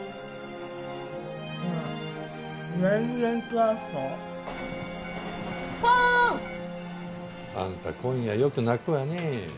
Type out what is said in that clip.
ポン！あんた今夜よく鳴くわねぇ。